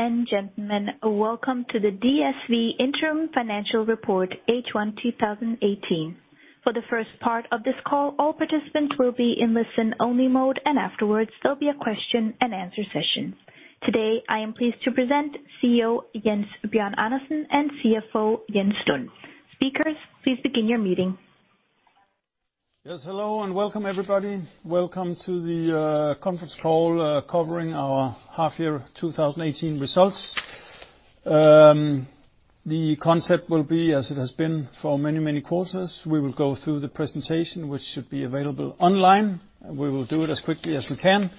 Ladies and gentlemen, welcome to the DSV Interim Financial Report H1 2018. For the first part of this call, all participants will be in listen-only mode, and afterwards, there'll be a question and answer session. Today, I am pleased to present CEO Jens Bjørn Andersen and CFO Jens Lund. Speakers, please begin your meeting. Yes. Hello and welcome everybody. Welcome to the conference call covering our half year 2018 results. The concept will be as it has been for many quarters. We will go through the presentation, which should be available online. We will do it as quickly as we can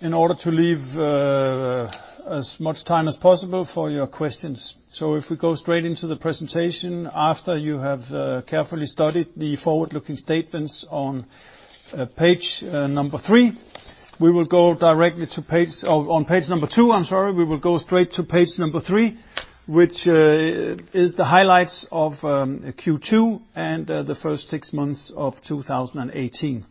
in order to leave as much time as possible for your questions. If we go straight into the presentation after you have carefully studied the forward-looking statements on page number three. We will go directly to page number two, I'm sorry. We will go straight to page number three, which is the highlights of Q2 and the first six months of 2018.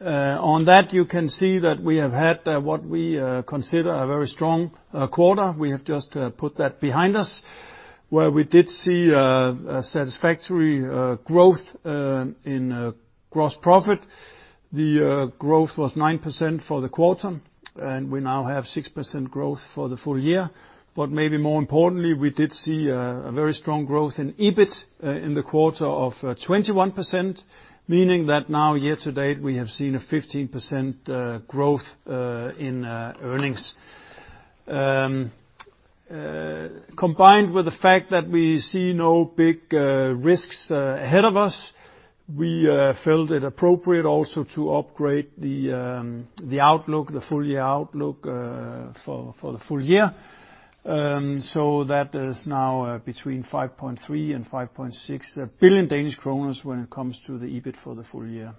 On that, you can see that we have had what we consider a very strong quarter. We have just put that behind us, where we did see a satisfactory growth in gross profit. The growth was 9% for the quarter, and we now have 6% growth for the full year. Maybe more importantly, we did see a very strong growth in EBIT in the quarter of 21%, meaning that now year to date, we have seen a 15% growth in earnings. Combined with the fact that we see no big risks ahead of us, we felt it appropriate also to upgrade the full-year outlook for the full year. That is now between 5.3 billion and 5.6 billion Danish kroner when it comes to the EBIT for the full year.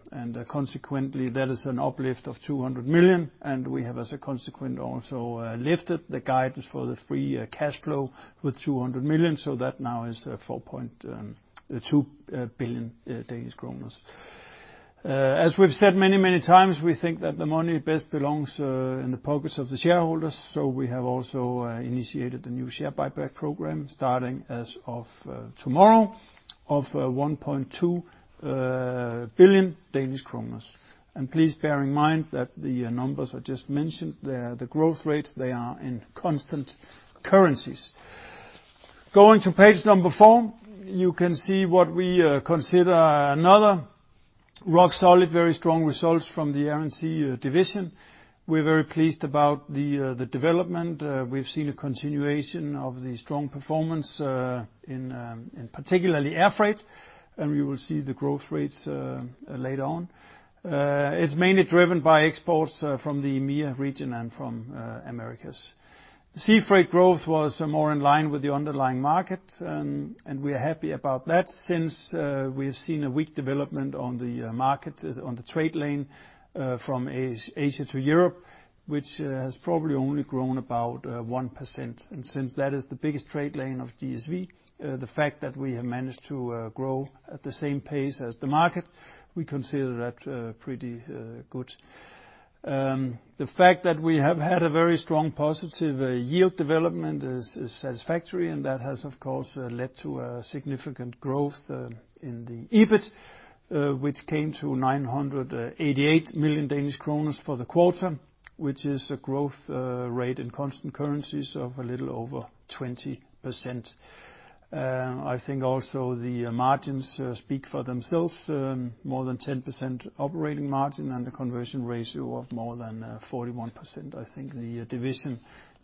Consequently, that is an uplift of 200 million. We have, as a consequence, also lifted the guidance for the free cash flow with 200 million so that now is 4.2 billion Danish kroner. As we've said many times, we think that the money best belongs in the pockets of the shareholders. We have also initiated a new share buyback program starting as of tomorrow of 1.2 billion Danish kroner. Please bear in mind that the numbers I just mentioned, the growth rates, they are in constant currencies. Going to page number four, you can see what we consider another rock-solid, very strong results from the Air & Sea division. We're very pleased about the development. We've seen a continuation of the strong performance in particularly air freight. We will see the growth rates later on. It's mainly driven by exports from the EMEA region and from Americas. Sea freight growth was more in line with the underlying market, and we are happy about that since we have seen a weak development on the market, on the trade lane from Asia to Europe, which has probably only grown about 1%. Since that is the biggest trade lane of DSV, the fact that we have managed to grow at the same pace as the market, we consider that pretty good. The fact that we have had a very strong positive yield development is satisfactory, and that has, of course, led to a significant growth in the EBIT, which came to 988 million Danish kroner for the quarter, which is a growth rate in constant currencies of a little over 20%. I think also the margins speak for themselves, more than 10% operating margin and a conversion ratio of more than 41%. I think the division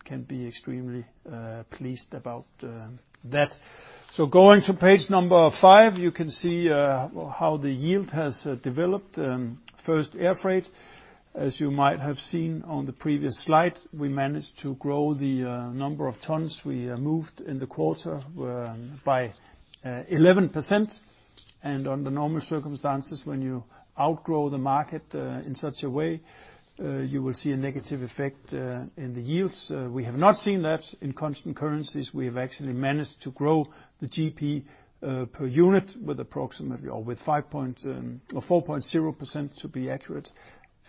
can be extremely pleased about that. So going to page number five, you can see how the yield has developed. First air freight, as you might have seen on the previous slide, we managed to grow the number of tons we moved in the quarter by 11%. Under normal circumstances, when you outgrow the market in such a way, you will see a negative effect in the yields. We have not seen that in constant currencies. We have actually managed to grow the GP per unit with approximately 4.0% to be accurate.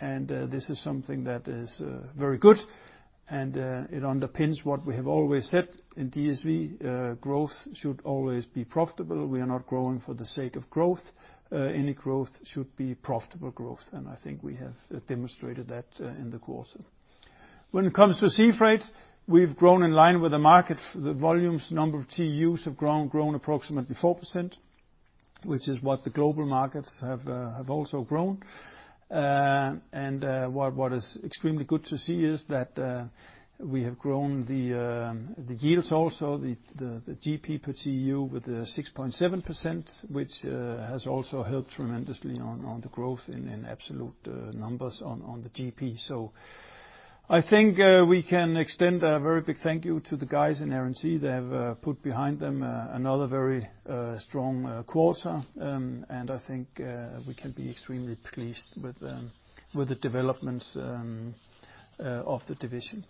This is something that is very good, and it underpins what we have always said in DSV. Growth should always be profitable. We are not growing for the sake of growth. Any growth should be profitable growth, and I think we have demonstrated that in the quarter. When it comes to sea freight, we've grown in line with the market. The volumes, number of TEUs have grown approximately 4%, which is what the global markets have also grown. What is extremely good to see is that we have grown the yields also, the GP per TEU with 6.7%, which has also helped tremendously on the growth in absolute numbers on the GP. I think we can extend a very big thank you to the guys in Air & Sea. They have put behind them another very strong quarter. I think we can be extremely pleased with the developments of the division.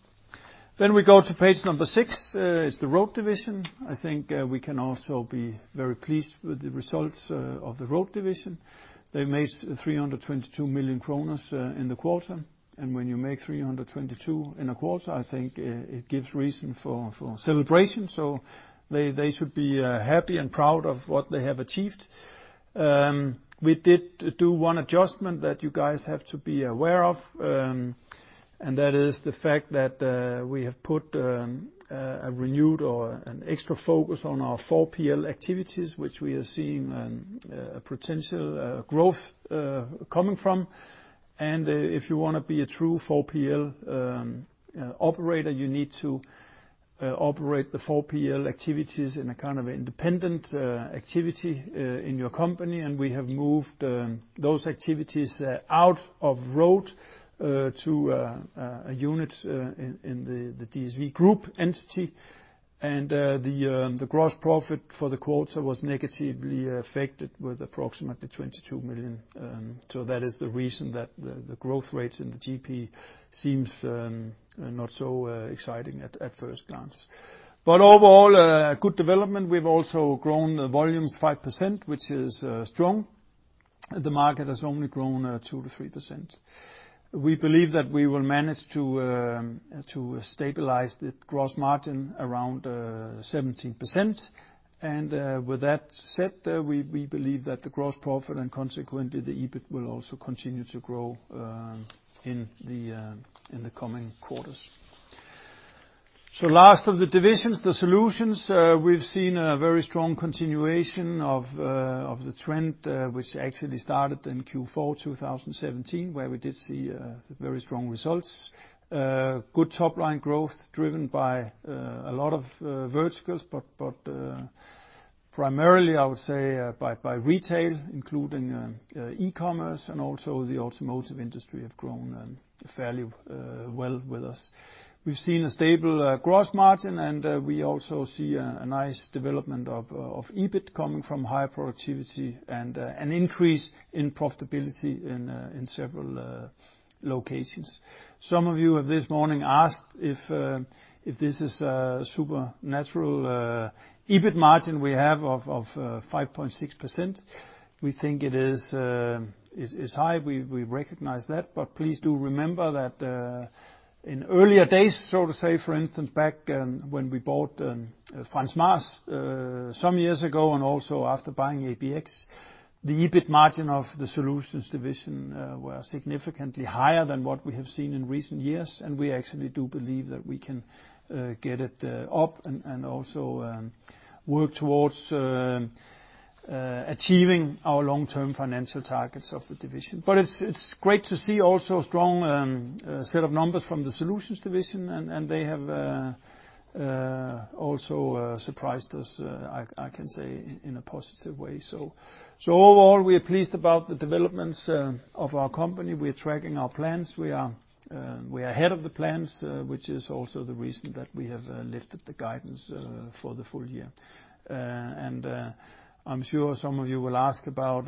We go to page number six. It's the Road division. I think we can also be very pleased with the results of the Road division. They made 322 million kroner in the quarter, and when you make 322 million in a quarter, I think it gives reason for celebration, so they should be happy and proud of what they have achieved. We did do one adjustment that you guys have to be aware of, and that is the fact that we have put a renewed or an extra focus on our 4PL activities, which we are seeing potential growth coming from. If you want to be a true 4PL operator, you need to operate the 4PL activities in a kind of independent activity in your company. We have moved those activities out of Road to a unit in the DSV Group entity. The gross profit for the quarter was negatively affected with approximately 22 million. That is the reason that the growth rates in the GP seems not so exciting at first glance. Overall, good development. We've also grown volumes 5%, which is strong. The market has only grown 2%-3%. We believe that we will manage to stabilize the gross margin around 17%. With that said, we believe that the gross profit and consequently the EBIT will also continue to grow in the coming quarters. Last of the divisions, the Solutions. We've seen a very strong continuation of the trend, which actually started in Q4 2017, where we did see very strong results. Good top-line growth driven by a lot of verticals, but primarily, I would say by retail, including e-commerce, and also the automotive industry have grown fairly well with us. We've seen a stable gross margin, and we also see a nice development of EBIT coming from high productivity and an increase in profitability in several locations. Some of you have this morning asked if this is a supernatural EBIT margin we have of 5.6%. We think it is high. We recognize that, but please do remember that in earlier days, so to say, for instance, back when we bought Frans Maas some years ago and also after buying ABX, the EBIT margin of the Solutions division were significantly higher than what we have seen in recent years. We actually do believe that we can get it up and also work towards achieving our long-term financial targets of the division. It's great to see also a strong set of numbers from the Solutions division. They have also surprised us, I can say, in a positive way. Overall, we are pleased about the developments of our company. We're tracking our plans. We are ahead of the plans, which is also the reason that we have lifted the guidance for the full year. I'm sure some of you will ask about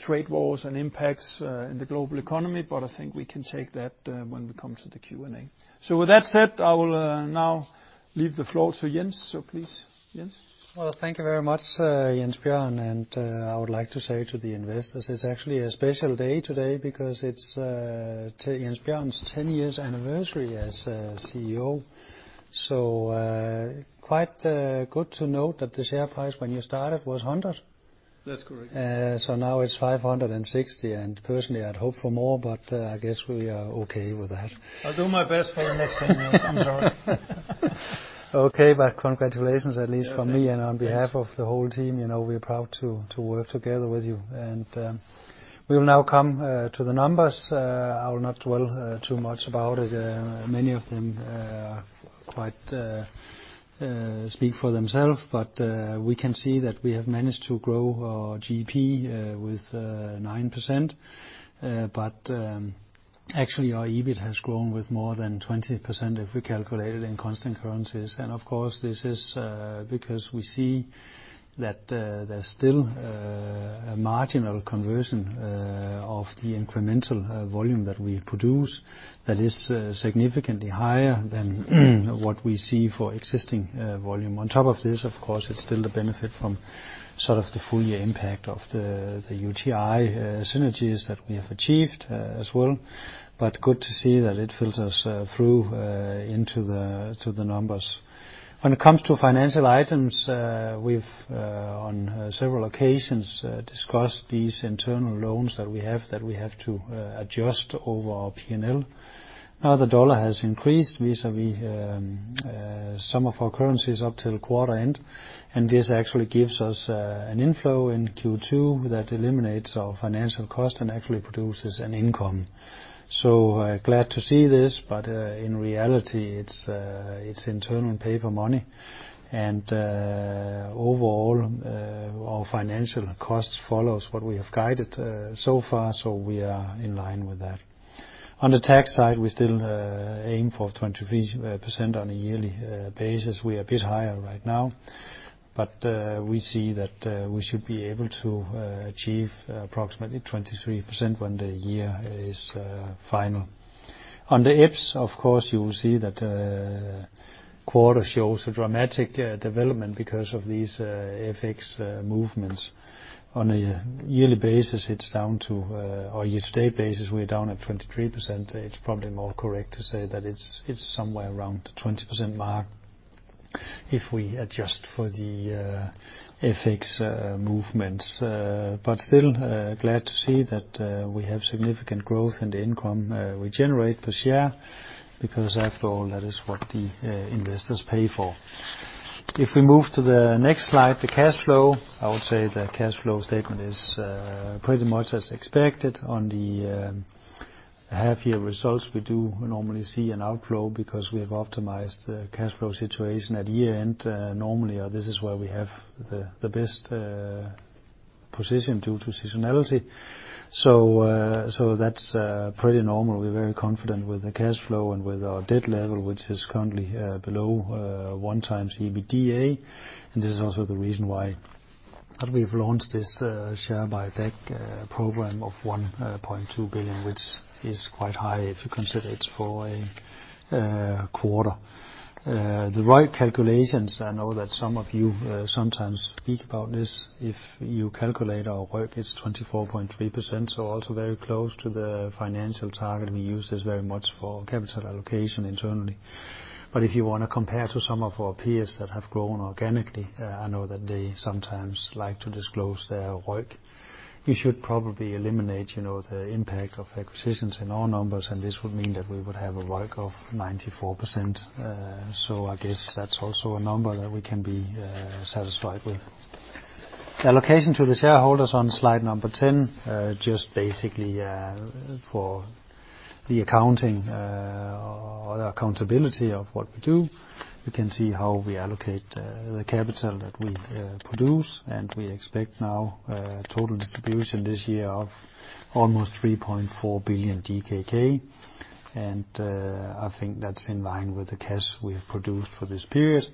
trade wars and impacts in the global economy, but I think we can take that when we come to the Q&A. With that said, I will now leave the floor to Jens. Please, Jens. Well, thank you very much, Jens Bjørn. I would like to say to the investors, it's actually a special day today because it's Jens Bjørn's 10 years anniversary as CEO. Quite good to note that the share price when you started was 100. That's correct. Now it's 560. Personally, I'd hoped for more, but I guess we are okay with that. I'll do my best for the next 10 years. I'm sorry. Okay. Congratulations, at least from me. Yeah, thanks On behalf of the whole team. We're proud to work together with you. We will now come to the numbers. I will not dwell too much about it. Many of them quite speak for themselves. We can see that we have managed to grow our GP with 9%. Actually, our EBIT has grown with more than 20% if we calculate it in constant currencies. Of course, this is because we see that there's still a marginal conversion of the incremental volume that we produce that is significantly higher than what we see for existing volume. On top of this, of course, it's still the benefit from sort of the full year impact of the UTi synergies that we have achieved as well. Good to see that it filters through into the numbers. When it comes to financial items, we've on several occasions discussed these internal loans that we have that we have to adjust over our P&L. The dollar has increased vis-à-vis some of our currencies up till quarter end, and this actually gives us an inflow in Q2 that eliminates our financial cost and actually produces an income. Glad to see this, but in reality, it's internal paper money, and overall, our financial costs follows what we have guided so far. We are in line with that. On the tax side, we still aim for 23% on a yearly basis. We are a bit higher right now. We see that we should be able to achieve approximately 23% when the year is final. On the EPS, of course, you will see that quarter shows a dramatic development because of these FX movements. On a yearly basis, or year-to-date basis, we are down at 23%. It's probably more correct to say that it's somewhere around the 20% mark if we adjust for the FX movements. Still glad to see that we have significant growth in the income we generate per share, because after all, that is what the investors pay for. If we move to the next slide, the cash flow, I would say the cash flow statement is pretty much as expected. On the half-year results, we do normally see an outflow because we have optimized the cash flow situation at year-end. Normally, this is where we have the best position due to seasonality. That's pretty normal. We're very confident with the cash flow and with our debt level, which is currently below one times EBITDA. This is also the reason why that we've launched this share buyback program of 1.2 billion, which is quite high if you consider it's for a quarter. The right calculations, I know that some of you sometimes speak about this, if you calculate our ROIC, it's 24.3%, also very close to the financial target we use. It's very much for capital allocation internally. If you want to compare to some of our peers that have grown organically, I know that they sometimes like to disclose their ROIC. You should probably eliminate the impact of acquisitions in our numbers, and this would mean that we would have a ROIC of 94%. I guess that's also a number that we can be satisfied with. Allocation to the shareholders on slide 10, just basically for the accounting or accountability of what we do. You can see how we allocate the capital that we produce, we expect now a total distribution this year of almost 3.4 billion DKK. I think that's in line with the cash we have produced for this period.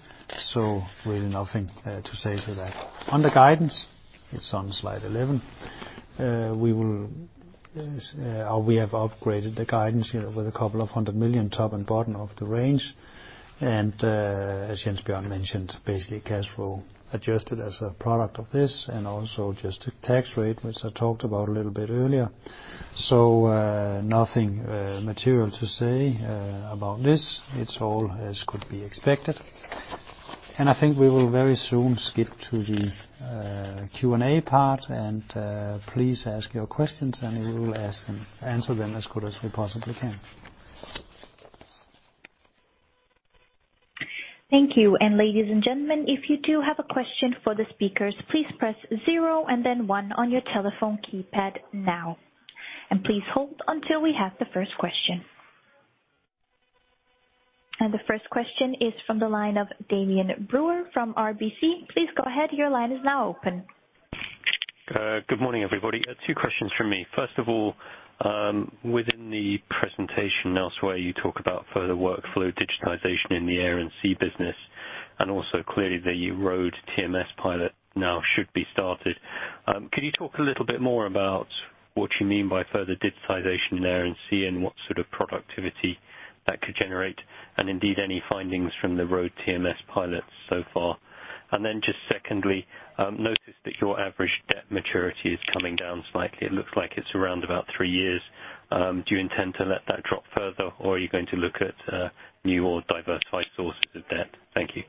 Really nothing to say to that. On the guidance, it's on slide 11. We have upgraded the guidance here with DKK a couple of hundred million top and bottom of the range. As Jens Bjørn mentioned, basically cash flow adjusted as a product of this and also just the tax rate, which I talked about a little bit earlier. Nothing material to say about this. It's all as could be expected. I think we will very soon skip to the Q&A part, please ask your questions and we will answer them as good as we possibly can. Thank you. Ladies and gentlemen, if you do have a question for the speakers, please press zero and then one on your telephone keypad now. Please hold until we have the first question. The first question is from the line of Damian Brewer from RBC. Please go ahead, your line is now open. Good morning, everybody. Two questions from me. First of all, within the presentation and elsewhere, you talk about further workflow digitization in the Air & Sea business, also clearly the Road TMS pilot now should be started. Can you talk a little bit more about what you mean by further digitization there and seeing what sort of productivity that could generate? Indeed, any findings from the Road TMS pilot so far? Then just secondly, noticed that your average debt maturity is coming down slightly. It looks like it's around about three years. Do you intend to let that drop further, or are you going to look at new or diversified sources of debt? Thank you.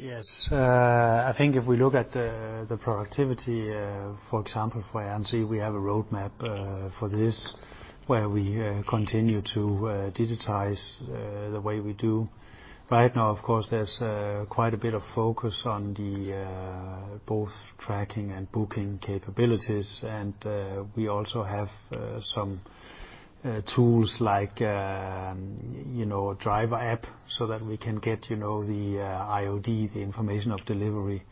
Yes. I think if we look at the productivity, for example, for A&S, we have a roadmap for this, where we continue to digitize the way we do. Right now, of course, there's quite a bit of focus on both tracking and booking capabilities. We also have some tools like a driver app so that we can get the IOD, the information of delivery.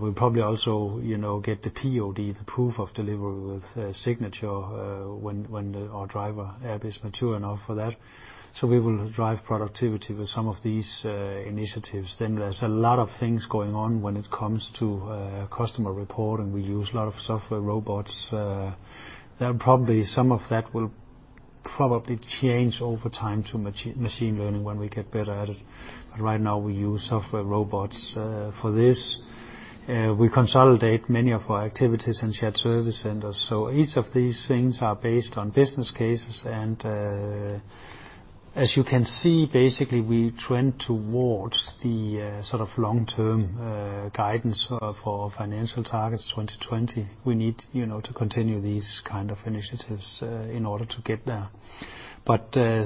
We'll probably also get the POD, the proof of delivery, with a signature when our driver app is mature enough for that. We will drive productivity with some of these initiatives. There's a lot of things going on when it comes to customer report, and we use a lot of software robots. Some of that will probably change over time to machine learning when we get better at it. Right now, we use software robots for this. We consolidate many of our activities in shared service centers. Each of these things are based on business cases. As you can see, basically, we trend towards the long-term guidance for our financial targets 2020. We need to continue these kind of initiatives in order to get there.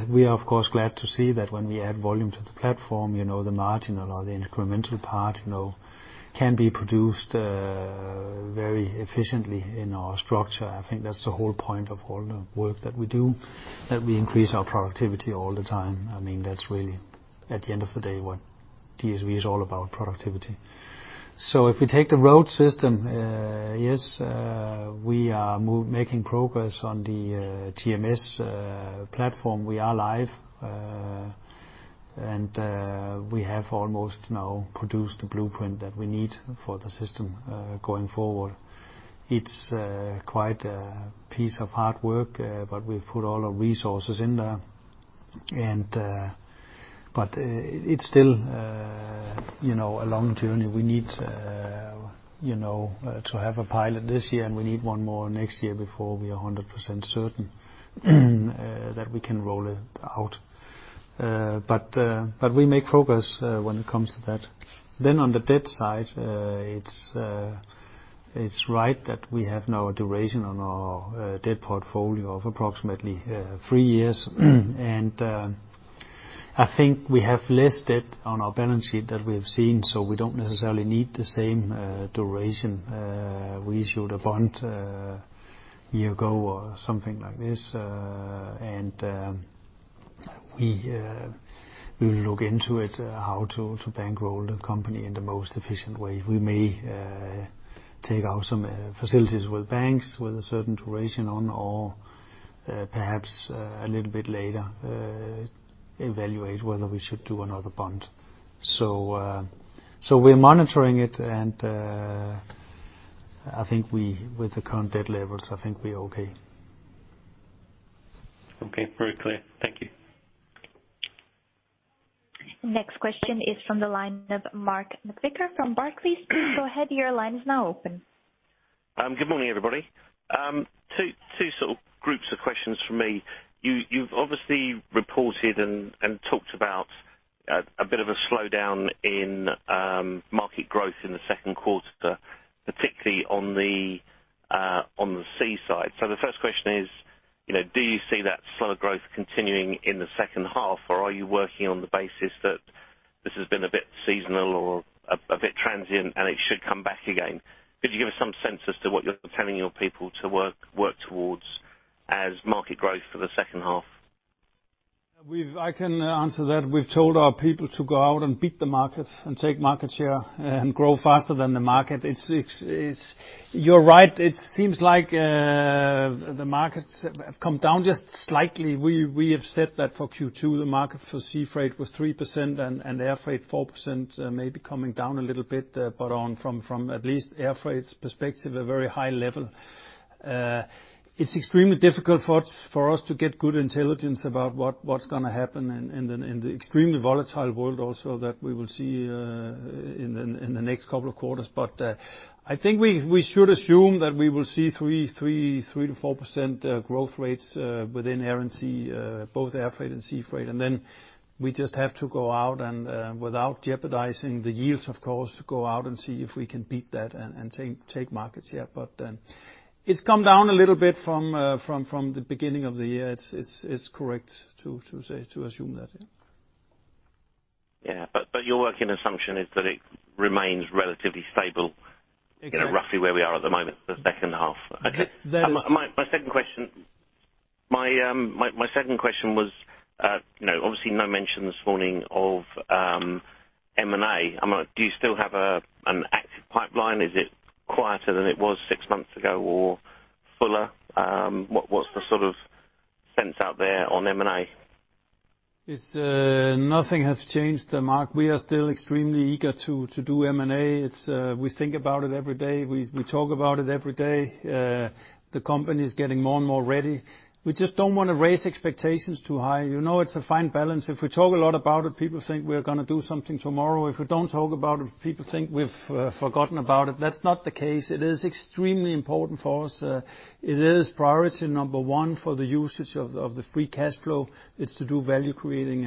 We are, of course, glad to see that when we add volume to the platform, the margin or the incremental part can be produced very efficiently in our structure. I think that's the whole point of all the work that we do, that we increase our productivity all the time. That's really, at the end of the day, what DSV is all about, productivity. If we take the road system, yes, we are making progress on the TMS platform. We are live. We have almost now produced the blueprint that we need for the system going forward. It's quite a piece of hard work, but we've put all our resources in there. It's still a long journey. We need to have a pilot this year, and we need one more next year before we are 100% certain that we can roll it out. We make progress when it comes to that. On the debt side, it's right that we have now a duration on our debt portfolio of approximately three years. I think we have less debt on our balance sheet that we have seen, so we don't necessarily need the same duration. We issued a bond a year ago or something like this. We will look into it, how to bankroll the company in the most efficient way. We may take out some facilities with banks, with a certain duration on, or perhaps a little bit later, evaluate whether we should do another bond. We're monitoring it, and I think with the current debt levels, I think we're okay. Okay, very clear. Thank you. Next question is from the line of Mark McVicar from Barclays. Please go ahead, your line is now open. Good morning, everybody. Two sort of groups of questions from me. You've obviously reported and talked about a bit of a slowdown in market growth in the second quarter, particularly on the sea side. The first question is, do you see that slower growth continuing in the second half, or are you working on the basis that this has been a bit seasonal or a bit transient and it should come back again? Could you give us some sense as to what you're telling your people to work towards as market growth for the second half? I can answer that. We've told our people to go out and beat the markets and take market share and grow faster than the market. You're right, it seems like the markets have come down just slightly. We have said that for Q2, the market for sea freight was 3% and air freight 4%, maybe coming down a little bit, but from at least air freight's perspective, a very high level. It's extremely difficult for us to get good intelligence about what's going to happen in the extremely volatile world also that we will see in the next couple of quarters. I think we should assume that we will see 3%-4% growth rates within Air & Sea, both air freight and sea freight. We just have to go out and, without jeopardizing the yields, of course, go out and see if we can beat that and take markets. It's come down a little bit from the beginning of the year. It's correct to assume that, yeah. Your working assumption is that it remains relatively stable- Exactly roughly where we are at the moment for the second half. There is- My second question was, obviously, no mention this morning of M&A. Do you still have an active pipeline? Is it quieter than it was six months ago or fuller? What's the sort of sense out there on M&A? Nothing has changed, Mark. We are still extremely eager to do M&A. We think about it every day. We talk about it every day. The company's getting more and more ready. We just don't want to raise expectations too high. It's a fine balance. If we talk a lot about it, people think we're going to do something tomorrow. If we don't talk about it, people think we've forgotten about it. That's not the case. It is extremely important for us. It is priority number 1 for the usage of the free cash flow. It's to do value creating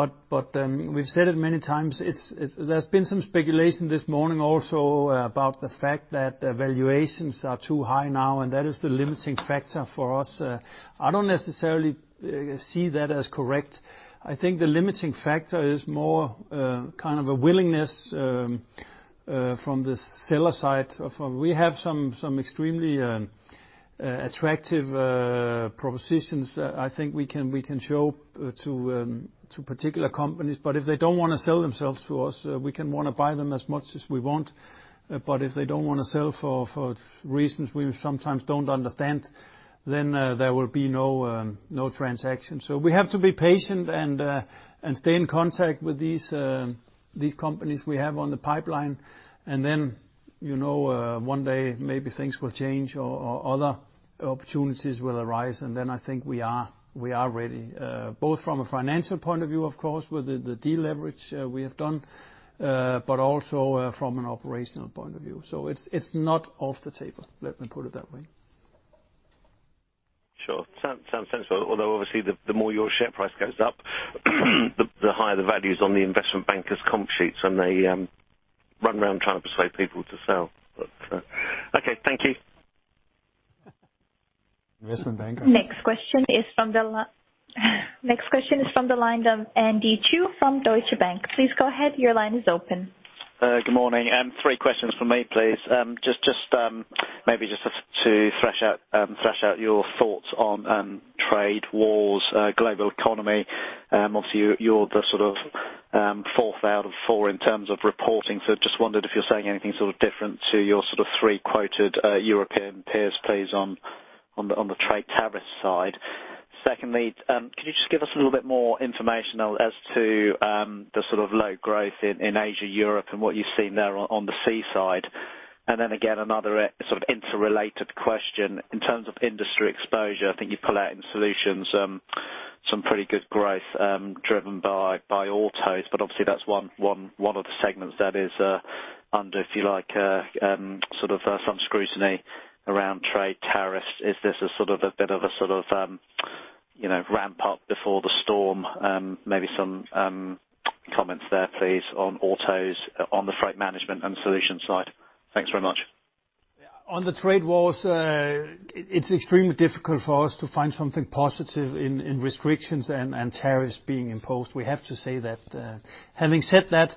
M&A. We've said it many times. There's been some speculation this morning also about the fact that valuations are too high now. That is the limiting factor for us. I don't necessarily see that as correct. I think the limiting factor is more kind of a willingness from the seller side. We have some extremely attractive propositions I think we can show to particular companies, if they don't want to sell themselves to us, we can want to buy them as much as we want. If they don't want to sell for reasons we sometimes don't understand, there will be no transaction. We have to be patient and stay in contact with these companies we have on the pipeline. One day maybe things will change or other opportunities will arise, I think we are ready. Both from a financial point of view, of course, with the deleverage we have done, but also from an operational point of view. It's not off the table, let me put it that way. Sure. Sounds sensible. Although obviously the more your share price goes up, the higher the value is on the investment bankers' comp sheets when they run around trying to persuade people to sell. Okay, thank you. Investment bankers. Question is from the line of Andy Chu from Deutsche Bank. Please go ahead, your line is open. Good morning. Three questions from me, please. Maybe just to thresh out your thoughts on trade wars, global economy. Obviously, you're the fourth out of four in terms of reporting, so just wondered if you're saying anything different to your three quoted European peers, please, on the trade tariff side. Secondly, could you just give us a little bit more information as to the low growth in Asia, Europe, and what you've seen there on the sea side? Again, another interrelated question. In terms of industry exposure, I think you pull out in Solutions some pretty good growth driven by autos, but obviously, that's one of the segments that is under, if you like, some scrutiny around trade tariffs. Is this a bit of a ramp up before the storm? Maybe some comments there, please, on autos on the freight management and Solutions side. Thanks very much. On the trade wars, it's extremely difficult for us to find something positive in restrictions and tariffs being imposed. We have to say that. Having said that,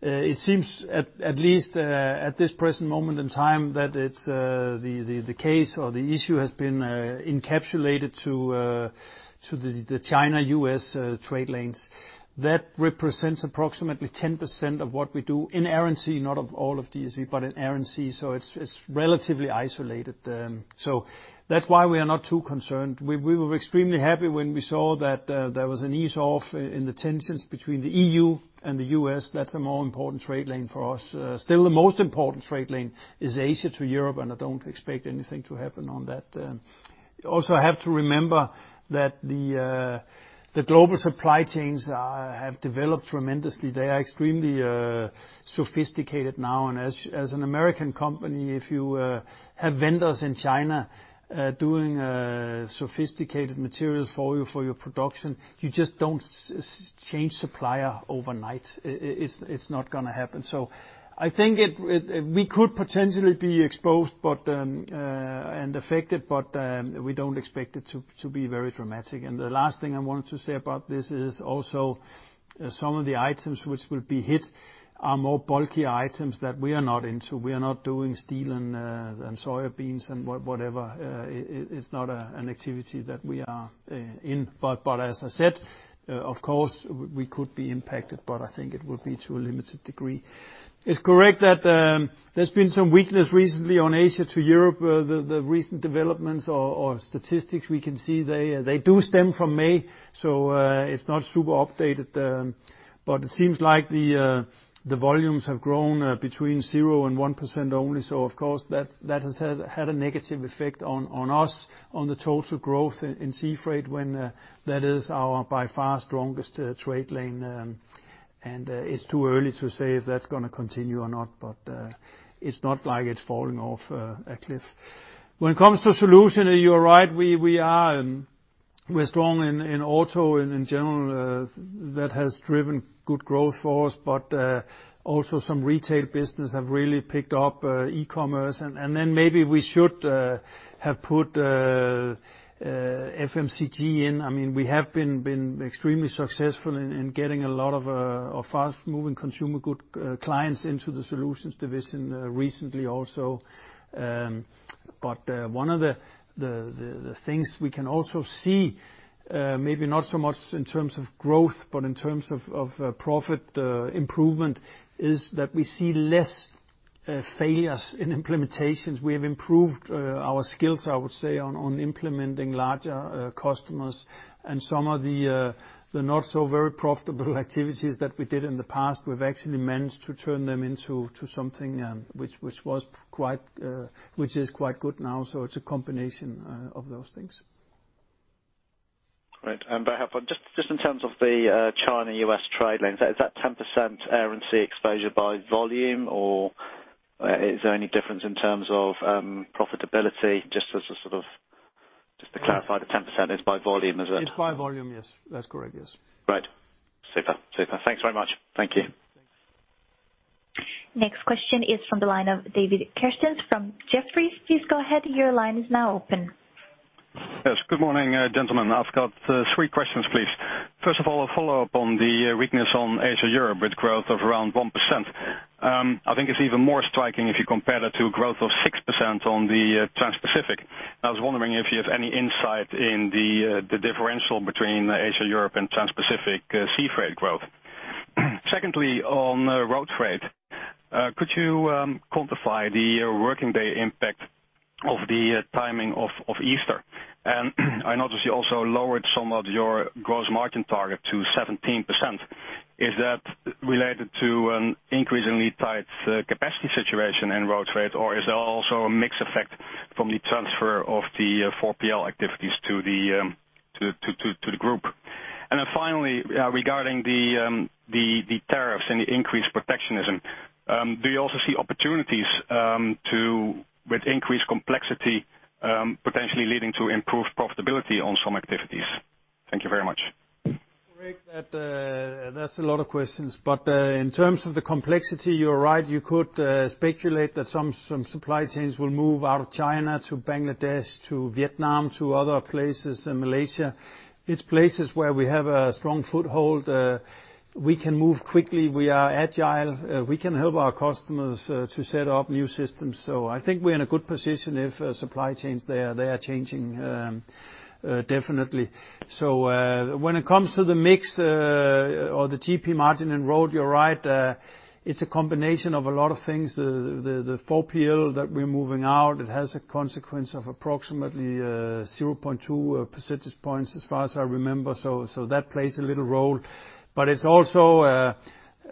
it seems at least at this present moment in time, that the case or the issue has been encapsulated to the China-U.S. trade lanes. That represents approximately 10% of what we do in Air & Sea, not of all of DSV, but in Air & Sea. It's relatively isolated. That's why we are not too concerned. We were extremely happy when we saw that there was an ease-off in the tensions between the EU and the U.S. That's a more important trade lane for us. Still, the most important trade lane is Asia to Europe, and I don't expect anything to happen on that. I have to remember that the global supply chains have developed tremendously. They are extremely sophisticated now. As an American company, if you have vendors in China doing sophisticated materials for you for your production, you just don't change supplier overnight. It's not going to happen. I think we could potentially be exposed and affected, but we don't expect it to be very dramatic. The last thing I wanted to say about this is also some of the items which will be hit are more bulky items that we are not into. We are not doing steel and soybeans and whatever. It's not an activity that we are in. As I said, of course, we could be impacted, but I think it would be to a limited degree. It's correct that there's been some weakness recently on Asia to Europe. The recent developments or statistics, we can see they do stem from May, so it's not super updated. It seems like the volumes have grown between 0 and 1% only. Of course, that has had a negative effect on us on the total growth in sea freight when that is our, by far, strongest trade lane. It's too early to say if that's going to continue or not. It's not like it's falling off a cliff. When it comes to Solutions, you are right. We're strong in auto in general. That has driven good growth for us. Also some retail business have really picked up e-commerce. Maybe we should have put FMCG in. We have been extremely successful in getting a lot of fast-moving consumer good clients into the Solutions division recently also. One of the things we can also see, maybe not so much in terms of growth, but in terms of profit improvement, is that we see less failures in implementations. We have improved our skills, I would say, on implementing larger customers and some of the not so very profitable activities that we did in the past. We've actually managed to turn them into something which is quite good now. It's a combination of those things. Right. Just in terms of the China-U.S. trade lanes, is that 10% Air & Sea exposure by volume, or is there any difference in terms of profitability? Just to clarify, the 10% is by volume, is it? It's by volume, yes. That's correct, yes. Right. Super. Thanks very much. Thank you. Next question is from the line of David Kerstens from Jefferies. Please go ahead. Your line is now open. Yes. Good morning, gentlemen. I've got three questions, please. First of all, a follow-up on the weakness on Asia to Europe with growth of around 1%. I think it's even more striking if you compare that to growth of 6% on the Transpacific. I was wondering if you have any insight into the differential between Asia, Europe, and Transpacific sea freight growth. Secondly, on road freight, could you quantify the working day impact of the timing of Easter? I notice you also lowered some of your gross margin target to 17%. Is that related to an increasingly tight capacity situation in road freight, or is there also a mix effect from the transfer of the 4PL activities to the group? Finally, regarding the tariffs and the increased protectionism, do you also see opportunities with increased complexity, potentially leading to improved profitability on some activities? Thank you very much. That's a lot of questions. In terms of the complexity, you're right. You could speculate that some supply chains will move out of China to Bangladesh, to Vietnam, to other places, and Malaysia. It's places where we have a strong foothold. We can move quickly. We are agile. We can help our customers to set up new systems. I think we're in a good position if supply chains, they are changing, definitely. When it comes to the mix or the GP margin in Road, you're right. It's a combination of a lot of things. The 4PL that we're moving out, it has a consequence of approximately 0.2 percentage points as far as I remember. That plays a little role. It's also,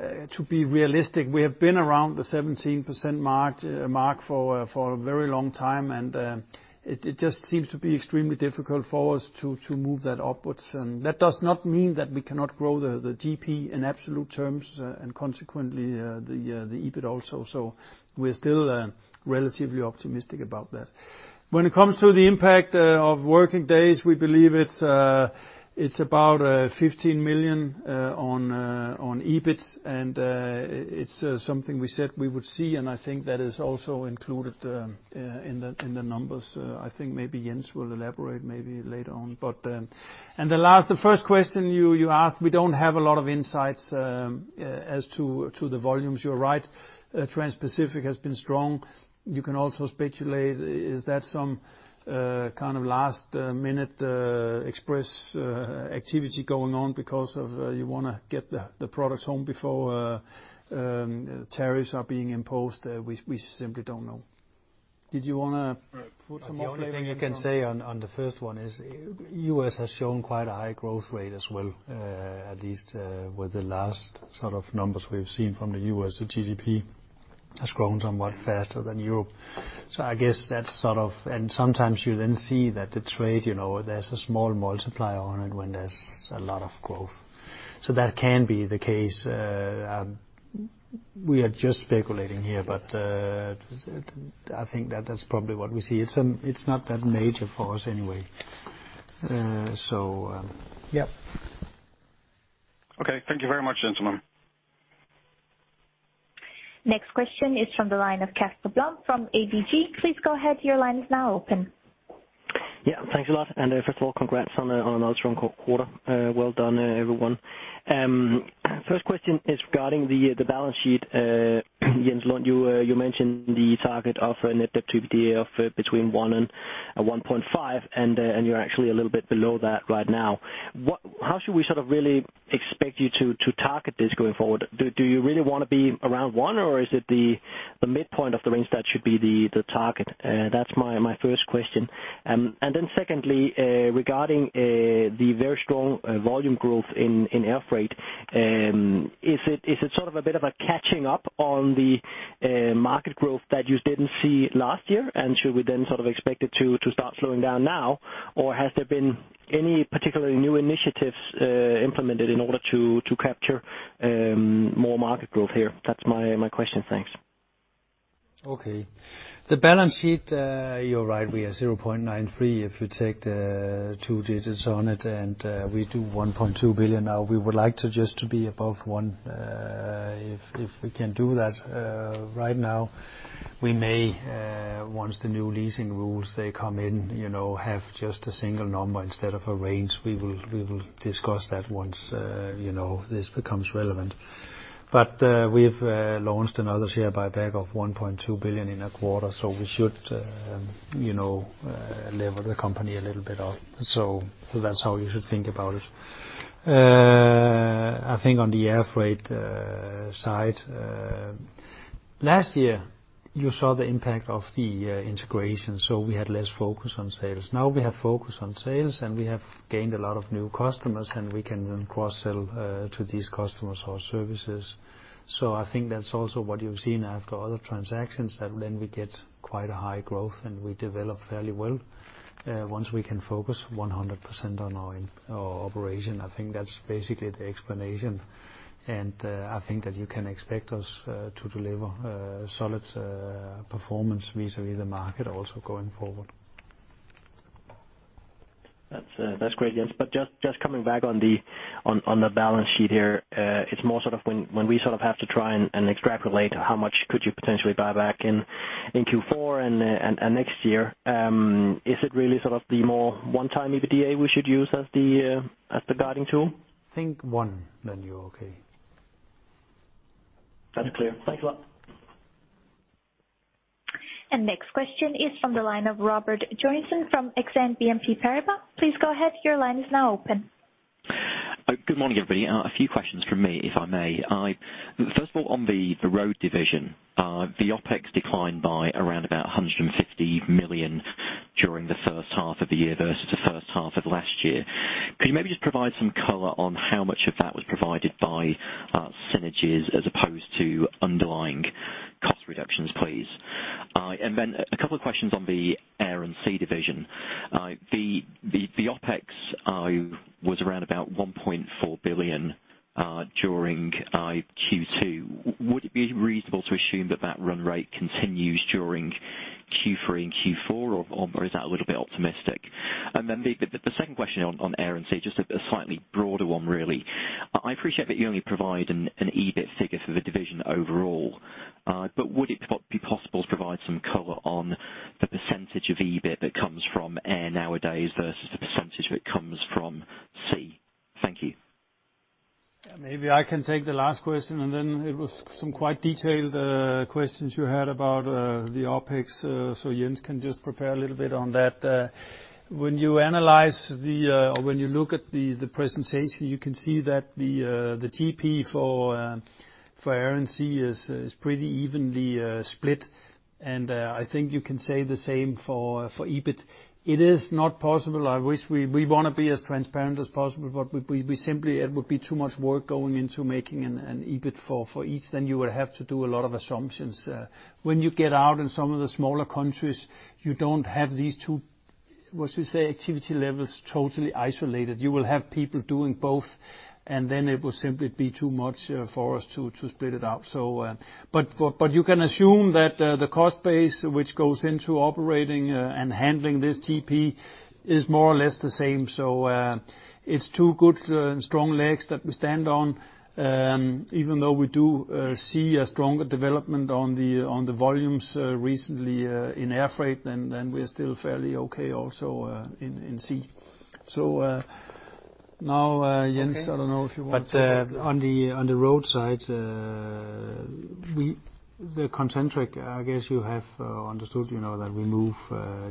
to be realistic, we have been around the 17% mark for a very long time, and it just seems to be extremely difficult for us to move that upwards. That does not mean that we cannot grow the GP in absolute terms and consequently, the EBIT also. We're still relatively optimistic about that. When it comes to the impact of working days, we believe it's about 15 million on EBIT and it's something we said we would see, and I think that is also included in the numbers. I think maybe Jens will elaborate maybe later on. The first question you asked, we don't have a lot of insights as to the volumes. You're right. Transpacific has been strong. You can also speculate, is that some kind of last-minute express activity going on because of you want to get the products home before tariffs are being imposed? We simply don't know. Did you want to put some more flavor on it? The only thing I can say on the first one is, U.S. has shown quite a high growth rate as well. At least with the last set of numbers we've seen from the U.S. The GDP has grown somewhat faster than Europe. I guess that's sort of. Sometimes you then see that the trade, there's a small multiplier on it when there's a lot of growth. That can be the case. We are just speculating here, but I think that that's probably what we see. It's not that major for us anyway. Yep. Okay. Thank you very much, gentlemen. Next question is from the line of Casper Blom from ABG. Please go ahead, your line is now open. Yeah. Thanks a lot. First of all, congrats on another strong quarter. Well done, everyone. First question is regarding the balance sheet. Jens Lund, you mentioned the target of a net debt to EBITDA of between one and a 1.5, and you're actually a little bit below that right now. How should we really expect you to target this going forward? Do you really want to be around one, or is it the midpoint of the range that should be the target? That's my first question. Then secondly, regarding the very strong volume growth in air freight. Is it a bit of a catching up on the market growth that you didn't see last year? Should we then expect it to start slowing down now? Or has there been any particular new initiatives implemented in order to capture more market growth here? That's my question. Thanks. Okay. The balance sheet, you're right, we are 0.93 if you take the two digits on it, and we do 1.2 billion now. We would like to just to be above one, if we can do that. Right now, we may, once the new leasing rules, they come in, have just a single number instead of a range. We will discuss that once this becomes relevant. We've launched another share buyback of 1.2 billion in a quarter, so we should lever the company a little bit up. That's how you should think about it. I think on the air freight side. Last year, you saw the impact of the integration, so we had less focus on sales. Now we have focus on sales, and we have gained a lot of new customers, and we can then cross-sell to these customers our services. I think that's also what you've seen after other transactions, that then we get quite a high growth and we develop fairly well. Once we can focus 100% on our operation, I think that's basically the explanation. I think that you can expect us to deliver solid performance vis-à-vis the market also going forward. That's great, Jens. Just coming back on the balance sheet here. It's more when we have to try and extrapolate how much could you potentially buy back in Q4 and next year. Is it really the more one-time EBITDA we should use as the guiding tool? Think one, then you're okay. That is clear. Thanks a lot. Next question is from the line of Robert Joynson from Exane BNP Paribas. Please go ahead, your line is now open. Good morning, everybody. A few questions from me, if I may. First of all, on the Road division. The OpEx declined by around about 150 million during the first half of the year versus the first half of last year. Could you maybe just provide some color on how much of that was provided by synergies as opposed to underlying cost reductions, please? Then a couple of questions on the Air & Sea division. The OpEx was around about 1.4 billion. During Q2, would it be reasonable to assume that run rate continues during Q3 and Q4, or is that a little bit optimistic? Then the second question on Air & Sea, just a slightly broader one, really. I appreciate that you only provide an EBIT figure for the division overall. Would it be possible to provide some color on the percentage of EBIT that comes from Air nowadays versus the percentage that comes from Sea? Thank you. Maybe I can take the last question. Then it was some quite detailed questions you had about the OpEx. Jens can just prepare a little bit on that. When you analyze or when you look at the presentation, you can see that the GP for air and sea is pretty evenly split. I think you can say the same for EBIT. It is not possible. We want to be as transparent as possible. Simply, it would be too much work going into making an EBIT for each. You would have to do a lot of assumptions. When you get out in some of the smaller countries, you don't have these two, what you say, activity levels totally isolated. You will have people doing both. Then it will simply be too much for us to split it out. You can assume that the cost base, which goes into operating and handling this GP, is more or less the same. It's two good, strong legs that we stand on. Even though we do see a stronger development on the volumes recently in air freight, we're still fairly okay also in Sea. Now, Jens, I don't know if you want- On the Road side, the Concentric, I guess you have understood, that we move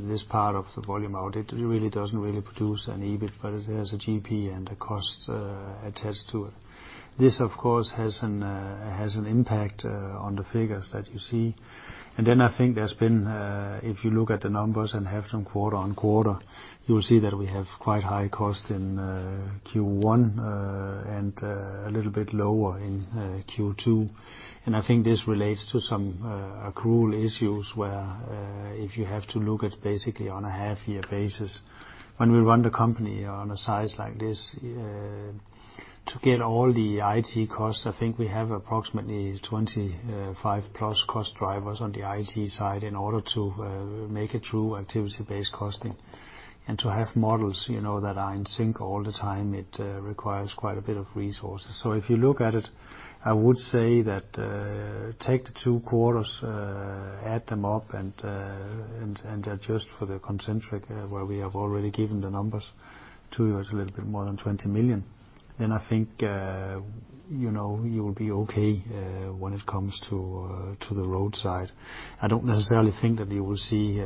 this part of the volume out. It doesn't really produce an EBIT. It has a GP and a cost attached to it. This, of course, has an impact on the figures that you see. Then I think there's been, if you look at the numbers and have some quarter-on-quarter, you will see that we have quite high cost in Q1. A little bit lower in Q2. I think this relates to some accrual issues where if you have to look at basically on a half-year basis, when we run the company on a size like this, to get all the IT costs, I think we have approximately 25 plus cost drivers on the IT side in order to make a true activity-based costing. To have models that are in sync all the time, it requires quite a bit of resources. If you look at it, I would say that take the two quarters, add them up. Adjust for the Concentric where we have already given the numbers. Two years, a little bit more than 20 million. I think you will be okay when it comes to the Road side. I don't necessarily think that you will see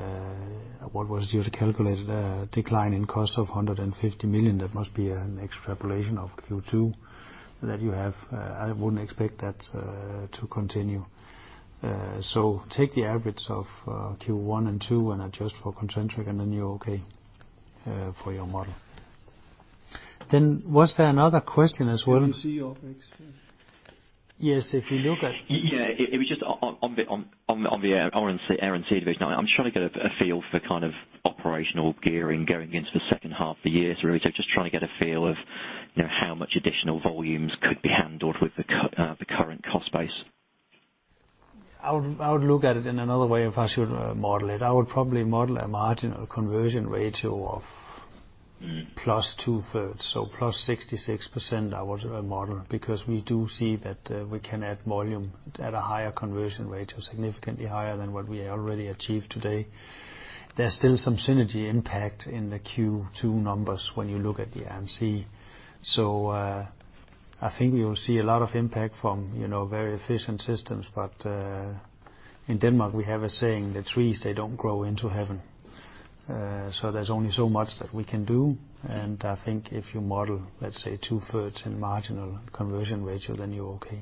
what was your calculated decline in cost of 150 million. That must be an extrapolation of Q2 that you have. I wouldn't expect that to continue. Take the average of Q1 and two. Adjust for Concentric. Then you're okay for your model. Was there another question as well? Can you see your OpEx then? Yes. Yeah, it was just on the Air & Sea division. I'm trying to get a feel for kind of operational gearing going into the second half of the year, really. Just trying to get a feel of how much additional volumes could be handled with the current cost base. I would look at it in another way if I should model it. I would probably model a marginal conversion ratio of plus two-thirds, so +66% I would model, because we do see that we can add volume at a higher conversion ratio, significantly higher than what we already achieved today. There's still some synergy impact in the Q2 numbers when you look at the Air & Sea. I think we will see a lot of impact from very efficient systems. In Denmark, we have a saying, the trees, they don't grow into heaven. There's only so much that we can do. I think if you model, let's say, two-thirds in marginal conversion ratio, then you're okay.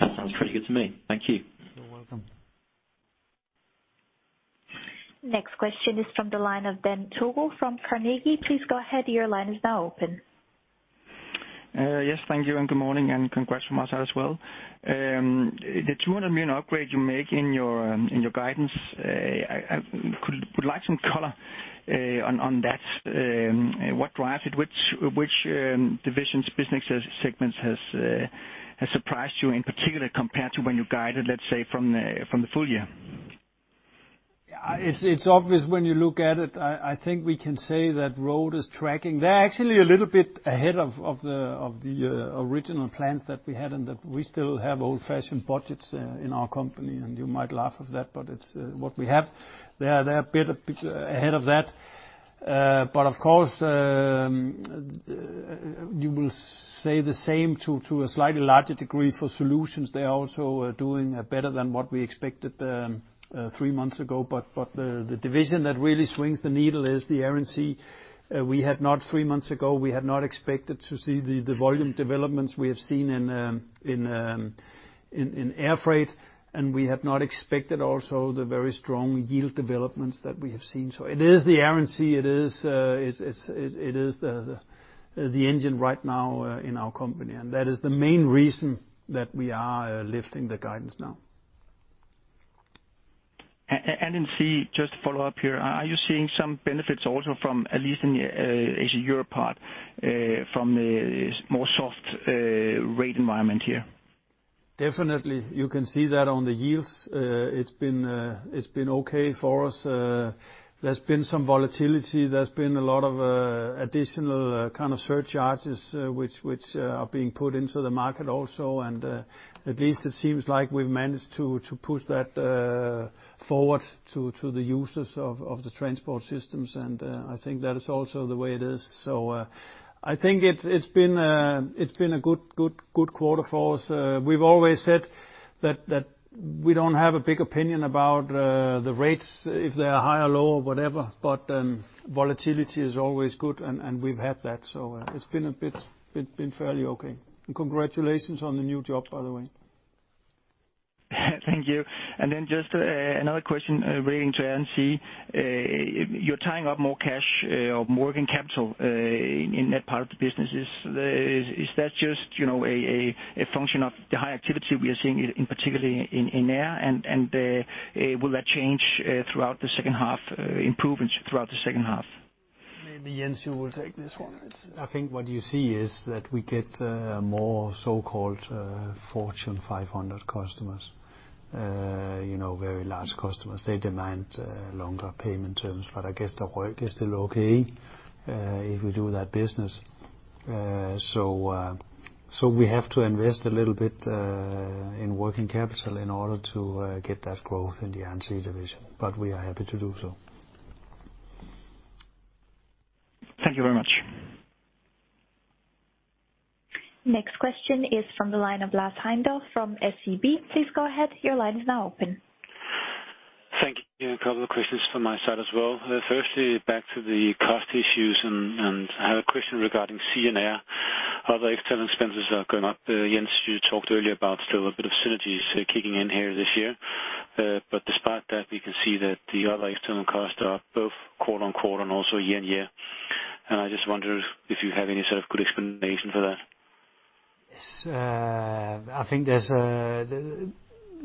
That sounds pretty good to me. Thank you. You're welcome. Next question is from the line of Ben Togo from Carnegie. Please go ahead, your line is now open. Yes, thank you, and good morning, and congrats from us as well. The 200 million upgrade you make in your guidance, I would like some color on that. What drives it? Which divisions, business segments, has surprised you in particular compared to when you guided, let's say, from the full year? It's obvious when you look at it. I think we can say that Road is tracking. They're actually a little bit ahead of the original plans that we had, and that we still have old-fashioned budgets in our company, and you might laugh at that, but it's what we have. They are a bit ahead of that. Of course, you will say the same to a slightly larger degree for Solutions. They are also doing better than what we expected three months ago. The division that really swings the needle is the Air & Sea. Three months ago, we had not expected to see the volume developments we have seen in air freight, and we had not expected also the very strong yield developments that we have seen. It is the Air & Sea. It is the engine right now in our company, that is the main reason that we are lifting the guidance now. Then, just to follow up here, are you seeing some benefits also from, at least in the Asia-Europe part, from the more soft rate environment here? Definitely. You can see that on the yields. It's been okay for us. There's been some volatility. There's been a lot of additional surcharges which are being put into the market also. At least it seems like we've managed to push that forward to the users of the transport systems. I think that is also the way it is. I think it's been a good quarter for us. We've always said that we don't have a big opinion about the rates, if they are high or low or whatever. Volatility is always good. We've had that. It's been fairly okay. Congratulations on the new job, by the way. Thank you. Then just another question relating to air and sea. You're tying up more cash or more working capital in that part of the business. Is that just a function of the high activity we are seeing, particularly in Air, and will that change throughout the second half, improve throughout the second half? Maybe Jens, you will take this one. I think what you see is that we get more so-called Fortune 500 customers. Very large customers. They demand longer payment terms, I guess the work is still okay if we do that business. We have to invest a little bit in working capital in order to get that growth in the air and sea division, we are happy to do so. Thank you very much. Next question is from the line of Lars Heindorff from SEB. Please go ahead. Your line is now open. Thank you. A couple of questions from my side as well. Firstly, back to the cost issues, and I have a question regarding Air & Sea. Other external expenses are going up. Jens, you talked earlier about still a bit of synergies kicking in here this year. Despite that, we can see that the other external costs are up, both quarter-over-quarter and also year-over-year. I just wonder if you have any sort of good explanation for that. Yes.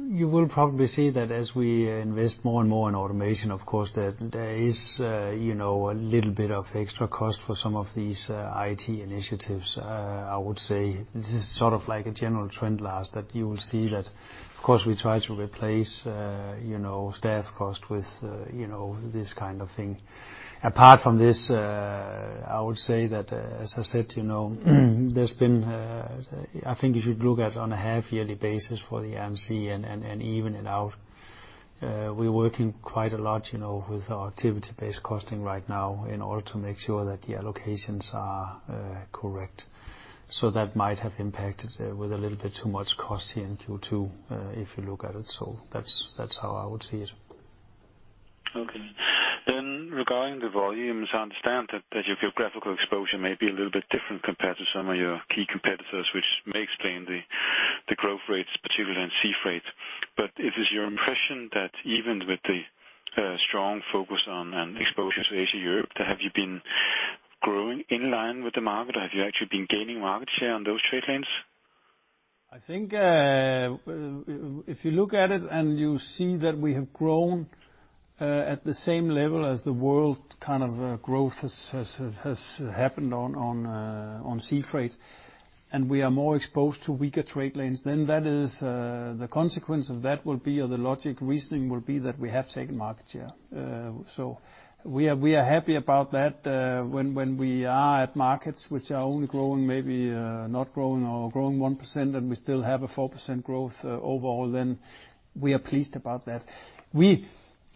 You will probably see that as we invest more and more in automation, of course, there is a little bit of extra cost for some of these IT initiatives. I would say this is like a general trend, Lars, that you will see that, of course, we try to replace staff cost with this kind of thing. Apart from this, I would say that, as I said, I think you should look at it on a half-yearly basis for the A&S and even it out. We're working quite a lot with our activity-based costing right now in order to make sure that the allocations are correct. That might have impacted with a little bit too much cost here in Q2, if you look at it. That's how I would see it. Okay. Regarding the volumes, I understand that your geographical exposure may be a little bit different compared to some of your key competitors, which may explain the growth rates, particularly in sea freight. Is it your impression that even with the strong focus on and exposure to Asia-Europe, have you been growing in line with the market, or have you actually been gaining market share on those trade lanes? I think, if you look at it and you see that we have grown at the same level as the world growth has happened on sea freight, and we are more exposed to weaker trade lanes, then the consequence of that will be, or the logic reasoning will be, that we have taken market share. We are happy about that. When we are at markets which are only growing, maybe not growing or growing 1%, and we still have a 4% growth overall, then we are pleased about that.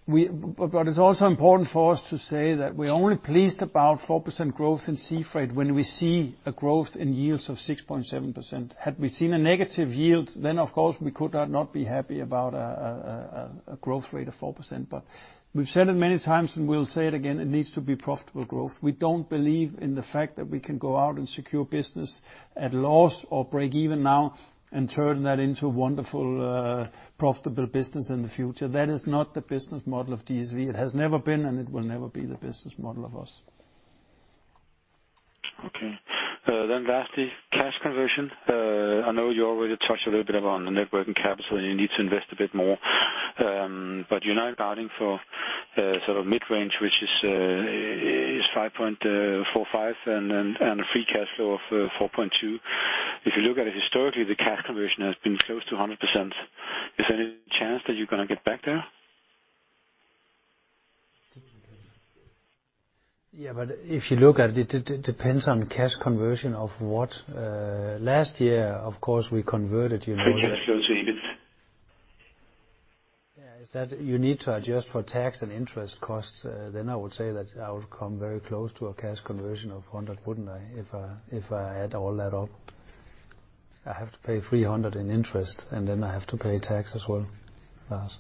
It's also important for us to say that we're only pleased about 4% growth in sea freight when we see a growth in yields of 6.7%. Had we seen a negative yield, then of course we could not be happy about a growth rate of 4%. We've said it many times, and we'll say it again, it needs to be profitable growth. We don't believe in the fact that we can go out and secure business at a loss or break even now and turn that into a wonderful, profitable business in the future. That is not the business model of DSV. It has never been, and it will never be the business model of us. Okay. Lastly, cash conversion. I know you already touched a little bit upon the net working capital. You need to invest a bit more. You're now guiding for mid-range, which is 5.45 and a free cash flow of 4.2. If you look at it historically, the cash conversion has been close to 100%. Is there any chance that you're going to get back there? Yeah, if you look at it depends on cash conversion of what. Last year, of course, we converted- Free cash flow to EBIT. Yeah. You need to adjust for tax and interest costs, I would say that I would come very close to a cash conversion of 100, wouldn't I? If I add all that up. I have to pay 300 in interest, and then I have to pay tax as well, Lars.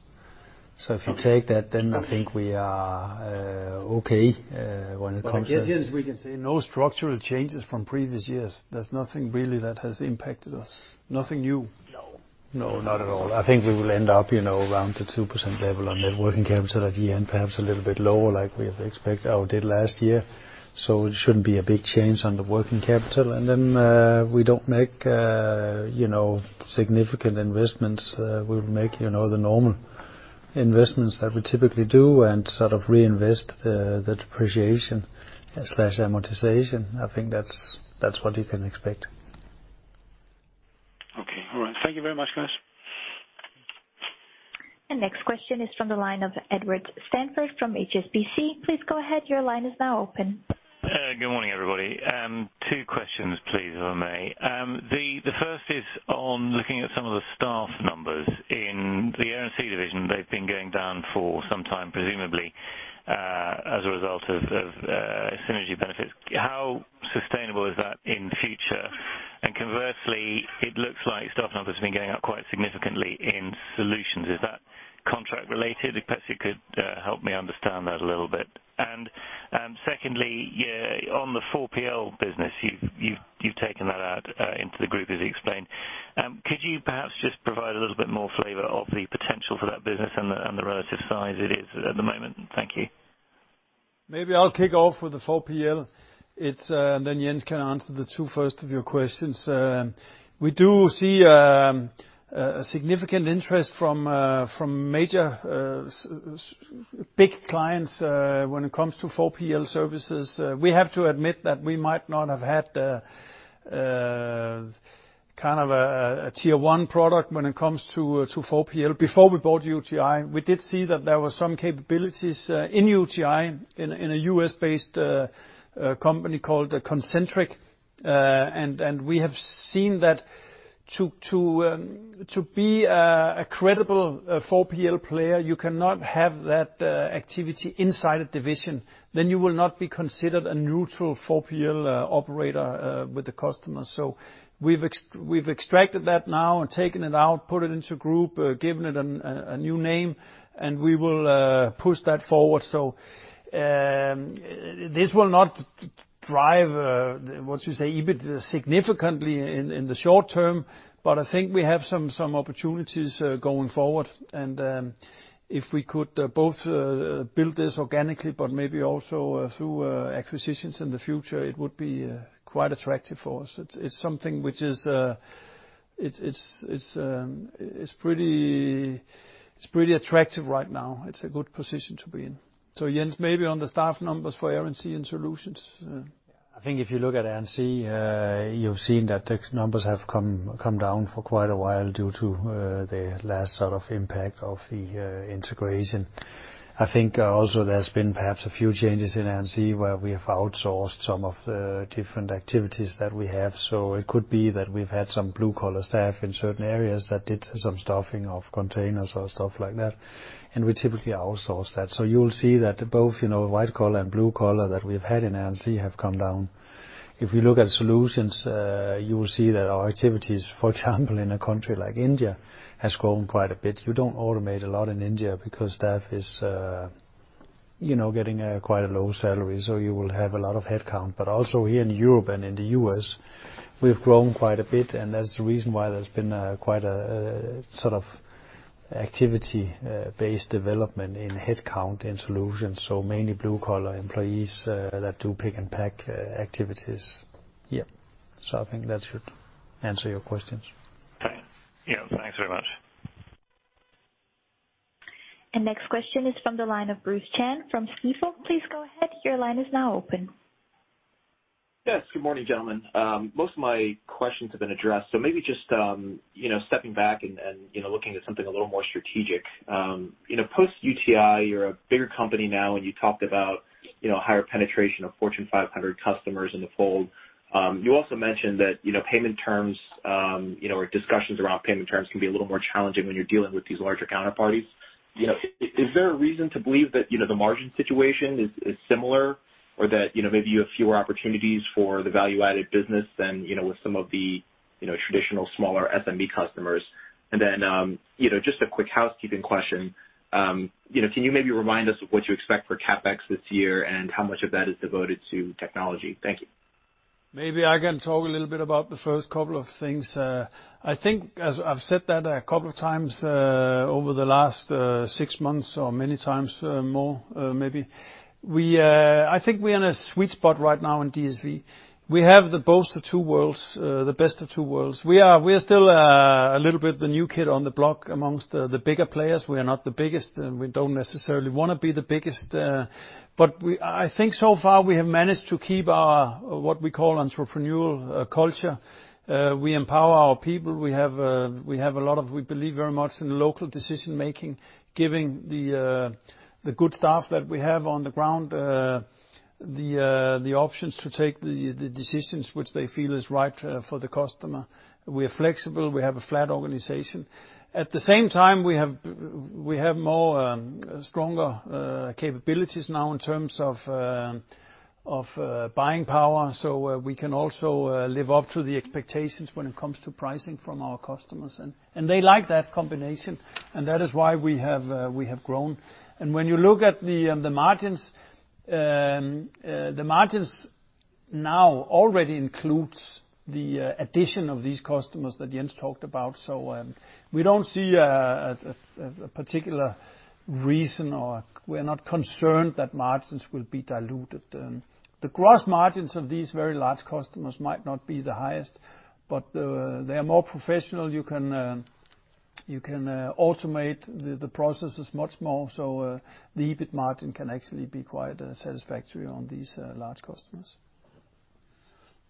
If you take that, I think we are okay when it comes to. I guess, Jens, we can say no structural changes from previous years. There's nothing really that has impacted us. Nothing new. No. Not at all. I think we will end up around the 2% level on net working capital at year-end, perhaps a little bit lower like we have expected or did last year. It shouldn't be a big change on the working capital. We don't make significant investments. We'll make the normal investments that we typically do and sort of reinvest the depreciation/amortization. I think that's what you can expect. Okay. All right. Thank you very much, guys. The next question is from the line of Edward Stanford from HSBC. Please go ahead. Your line is now open. Good morning, everybody. Two questions please, if I may. The first is on looking at some of the staff numbers. In the Air & Sea division, they've been going down for some time, presumably as a result of synergy benefits. How sustainable is that in the future? Conversely, it looks like staff numbers have been going up quite significantly in Solutions. Is that contract-related? If perhaps you could help me understand that a little bit. Secondly, on the 4PL business, you've taken that out into the group, as you explained. Could you perhaps just provide a little bit more flavor of the potential for that business and the relative size it is at the moment? Thank you. Maybe I'll kick off with the 4PL, then Jens can answer the two first of your questions. We do see a significant interest from major, big clients when it comes to 4PL services. We have to admit that we might not have had a tier one product when it comes to 4PL. Before we bought UTi, we did see that there were some capabilities in UTi, in a U.S.-based company called Concentric. We have seen that to be a credible 4PL player, you cannot have that activity inside a division, then you will not be considered a neutral 4PL operator with the customer. We've extracted that now and taken it out, put it into group, given it a new name, and we will push that forward. This will not drive, what you say, EBIT significantly in the short term. I think we have some opportunities going forward. If we could both build this organically, but maybe also through acquisitions in the future, it would be quite attractive for us. It is something which is pretty attractive right now. It is a good position to be in. Jens, maybe on the staff numbers for Air & Sea and Solutions. I think if you look at Air & Sea, you've seen that the numbers have come down for quite a while due to the last impact of the integration. I think also there's been perhaps a few changes in Air & Sea, where we have outsourced some of the different activities that we have. It could be that we've had some blue-collar staff in certain areas that did some stuffing of containers or stuff like that, and we typically outsource that. You'll see that both white-collar and blue-collar that we've had in Air & Sea have come down. If you look at Solutions, you will see that our activities, for example, in a country like India, has grown quite a bit. You don't automate a lot in India because staff is getting quite a low salary, so you will have a lot of headcount. Also here in Europe and in the U.S., we've grown quite a bit, and that's the reason why there's been quite a sort of activity-based development in headcount in Solutions. Mainly blue-collar employees that do pick and pack activities. Yep. I think that should answer your questions. Okay. Yeah. Thanks very much. Next question is from the line of Bruce Chan from Stifel. Please go ahead. Your line is now open. Yes, good morning, gentlemen. Most of my questions have been addressed. Maybe just stepping back and looking at something a little more strategic. Post UTi, you're a bigger company now, and you talked about higher penetration of Fortune 500 customers in the fold. You also mentioned that payment terms or discussions around payment terms can be a little more challenging when you're dealing with these larger counterparties. Yeah. Is there a reason to believe that the margin situation is similar or that maybe you have fewer opportunities for the value-added business than with some of the traditional smaller SME customers? Then just a quick housekeeping question. Can you maybe remind us of what you expect for CapEx this year and how much of that is devoted to technology? Thank you. Maybe I can talk a little bit about the first couple of things. I think as I've said that a couple of times over the last six months or many times more maybe, I think we're in a sweet spot right now in DSV. We have both the two worlds, the best of two worlds. We are still a little bit the new kid on the block amongst the bigger players. We are not the biggest, and we don't necessarily want to be the biggest. I think so far we have managed to keep our, what we call entrepreneurial culture. We empower our people. We believe very much in local decision-making, giving the good staff that we have on the ground the options to take the decisions which they feel is right for the customer. We are flexible. We have a flat organization. At the same time, we have more stronger capabilities now in terms of buying power. We can also live up to the expectations when it comes to pricing from our customers. They like that combination, and that is why we have grown. When you look at the margins, the margins now already includes the addition of these customers that Jens talked about. We don't see a particular reason, or we're not concerned that margins will be diluted. The gross margins of these very large customers might not be the highest, but they're more professional. You can automate the processes much more. The EBIT margin can actually be quite satisfactory on these large customers.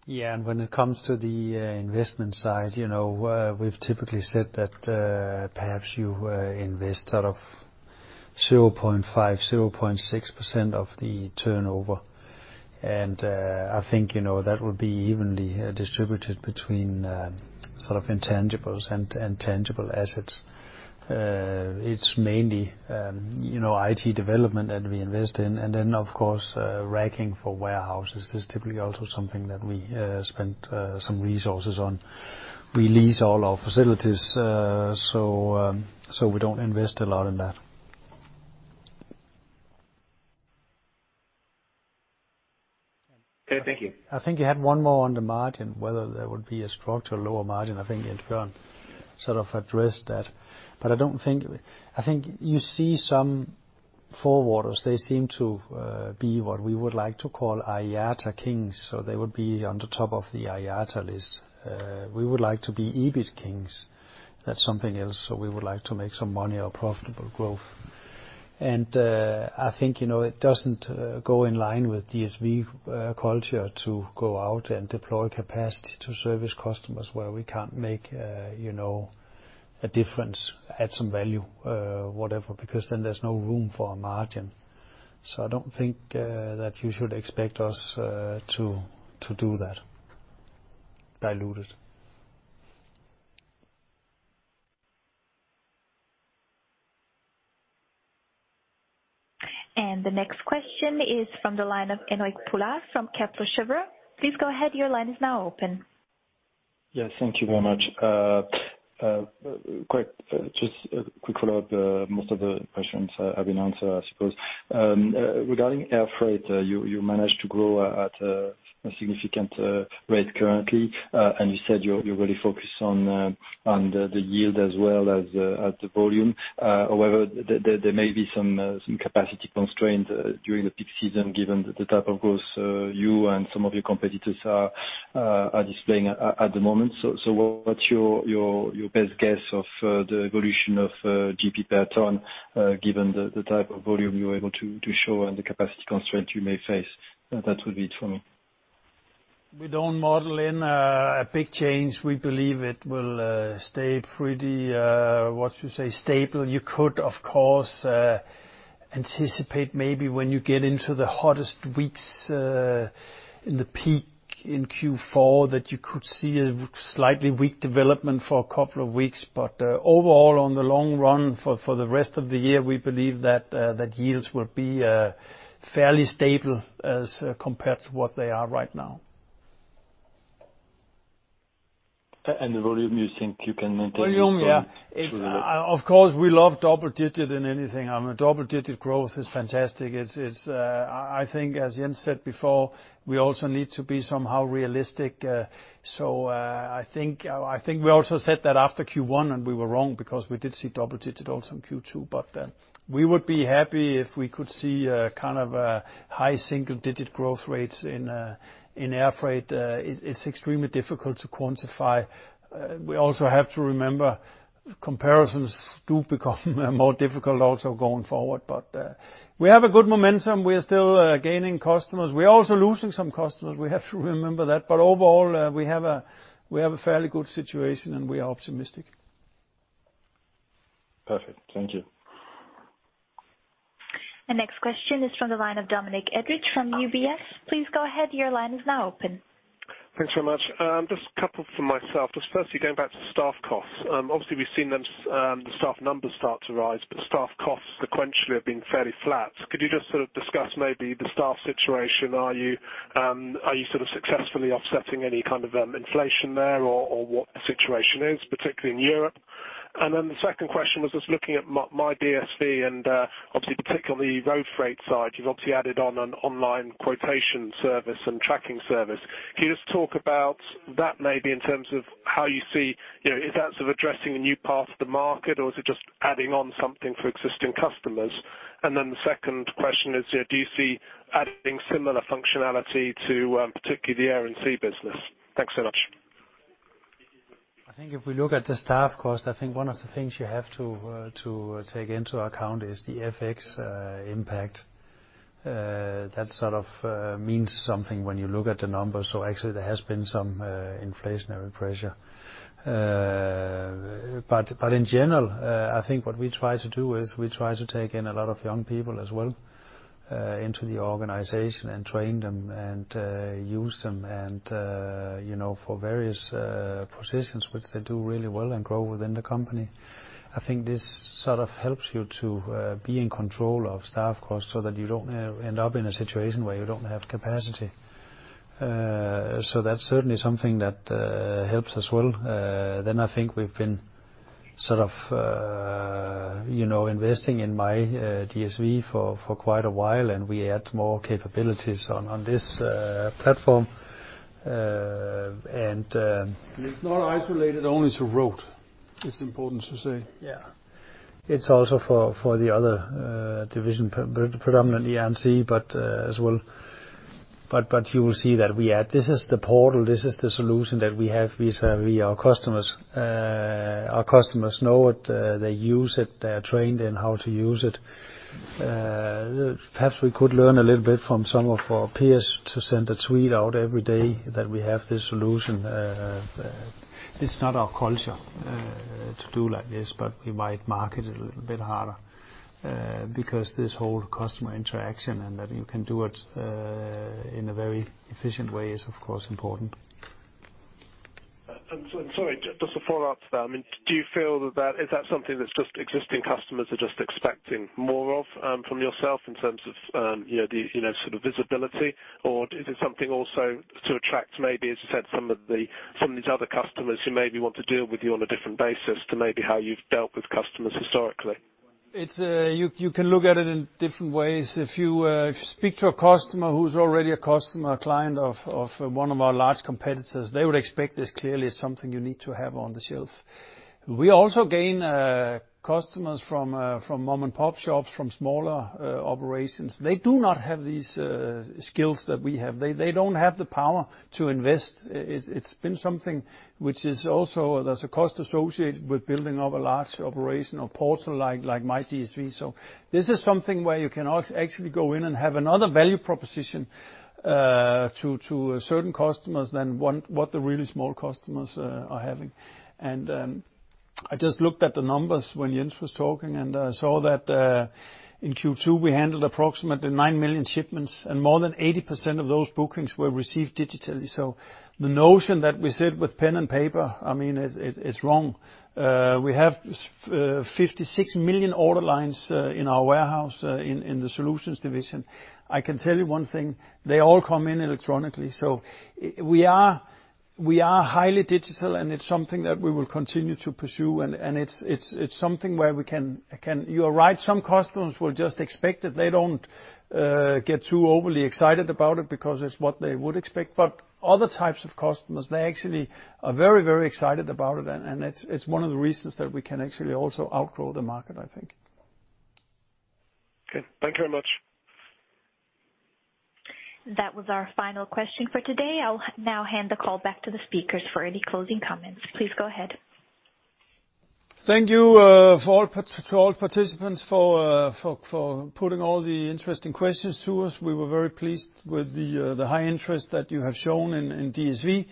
When it comes to the investment side, we've typically said that perhaps you invest out of 0.5%, 0.6% of the turnover. I think that would be evenly distributed between intangibles and tangible assets. It's mainly IT development that we invest in, and then, of course racking for warehouses is typically also something that we spend some resources on. We lease all our facilities. We don't invest a lot in that. Okay. Thank you. I think you had one more on the margin, whether there would be a structural lower margin. I think Jens sort of addressed that. I think you see some forwarders, they seem to be what we would like to call IATA kings, so they would be on the top of the IATA list. We would like to be EBIT kings. That's something else. We would like to make some money off profitable growth. I think it doesn't go in line with DSV culture to go out and deploy capacity to service customers where we can't make a difference, add some value, whatever, because then there's no room for a margin. I don't think that you should expect us to do that. Diluted. The next question is from the line of Henryk Paule from Kepler Cheuvreux. Please go ahead, your line is now open. Yes. Thank you very much. Just a quick follow-up. Most of the questions have been answered, I suppose. Regarding air freight, you managed to grow at a significant rate currently. You said you're really focused on the yield as well as at the volume. However, there may be some capacity constraints during the peak season given the type of growth you and some of your competitors are displaying at the moment. What's your best guess of the evolution of GP per TEU, given the type of volume you're able to show and the capacity constraint you may face? That would be it for me. We don't model in a big change. We believe it will stay pretty, what you say, stable. You could, of course, anticipate maybe when you get into the hottest weeks in the peak in Q4, that you could see a slightly weak development for a couple of weeks. Overall, on the long run for the rest of the year, we believe that yields will be fairly stable as compared to what they are right now. The volume you think you can maintain from? Volume, yeah. Of course, we love double-digit in anything. I mean, double-digit growth is fantastic. I think as Jens said before, we also need to be somehow realistic. So I think we also said that after Q1, and we were wrong because we did see double-digit also in Q2. But we would be happy if we could see a high single-digit growth rates in air freight. It is extremely difficult to quantify. We also have to remember, comparisons do become more difficult also going forward. But we have a good momentum. We are still gaining customers. We are also losing some customers. We have to remember that. But overall, we have a fairly good situation, and we are optimistic. Perfect. Thank you. The next question is from the line of Dominic Edridge from UBS. Please go ahead. Your line is now open. Thanks very much. Just a couple from myself. Just firstly, going back to staff costs. Obviously, we have seen the staff numbers start to rise, but staff costs sequentially have been fairly flat. Could you just sort of discuss maybe the staff situation? Are you successfully offsetting any kind of inflation there, or what the situation is, particularly in Europe? And then the second question was just looking at myDSV and obviously particularly Road freight side, you have obviously added on an online quotation service and tracking service. Can you just talk about that maybe in terms of how you see, is that sort of addressing a new part of the market, or is it just adding on something for existing customers? And then the second question is, do you see adding similar functionality to, particularly the Air & Sea business? Thanks so much. I think if we look at the staff cost, I think one of the things you have to take into account is the FX impact. That sort of means something when you look at the numbers. Actually, there has been some inflationary pressure. In general, I think what we try to do is we try to take in a lot of young people as well into the organization and train them and use them and, for various positions, which they do really well and grow within the company. I think this sort of helps you to be in control of staff costs so that you don't end up in a situation where you don't have capacity. That's certainly something that helps as well. I think we've been investing in myDSV for quite a while, and we add more capabilities on this platform. It's not isolated only to Road, it's important to say. It's also for the other division, predominantly A&S, but as well You will see that we add. This is the portal, this is the solution that we have vis-a-vis our customers. Our customers know it, they use it, they are trained in how to use it. Perhaps we could learn a little bit from some of our peers to send a tweet out every day that we have this solution. It's not our culture to do like this, but we might market it a little bit harder, because this whole customer interaction and that you can do it in a very efficient way is, of course, important. I'm sorry, just a follow-up to that. Is that something that existing customers are just expecting more of from yourself in terms of the sort of visibility? Or is it something also to attract maybe, as you said, some of these other customers who maybe want to deal with you on a different basis to maybe how you've dealt with customers historically? You can look at it in different ways. If you speak to a customer who's already a customer, a client of one of our large competitors, they would expect this clearly is something you need to have on the shelf. We also gain customers from mom-and-pop shops, from smaller operations. They do not have these skills that we have. They don't have the power to invest. It's been something which is also, there's a cost associated with building up a large operation or portal like myDSV. This is something where you can actually go in and have another value proposition to certain customers than what the really small customers are having. I just looked at the numbers when Jens was talking, and I saw that in Q2, we handled approximately 9 million shipments, and more than 80% of those bookings were received digitally. The notion that we sit with pen and paper, it's wrong. We have 56 million order lines in our warehouse in the Solutions division. I can tell you one thing, they all come in electronically. We are highly digital, and it's something that we will continue to pursue, and it's something where You are right, some customers will just expect it. They don't get too overly excited about it because it's what they would expect. Other types of customers, they actually are very excited about it, and it's one of the reasons that we can actually also outgrow the market, I think. Okay. Thank you very much. That was our final question for today. I'll now hand the call back to the speakers for any closing comments. Please go ahead. Thank you to all participants for putting all the interesting questions to us. We were very pleased with the high interest that you have shown in DSV.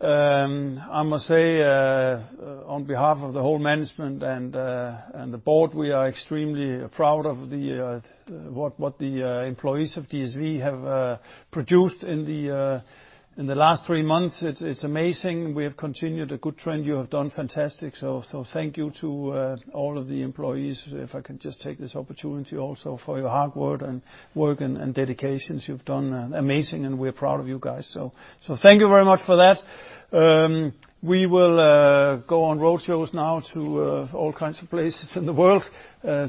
I must say, on behalf of the whole management and the board, we are extremely proud of what the employees of DSV have produced in the last three months. It's amazing. We have continued a good trend. You have done fantastic. Thank you to all of the employees, if I can just take this opportunity also for your hard work and dedications. You've done amazing, and we're proud of you guys. Thank you very much for that. We will go on road shows now to all kinds of places in the world to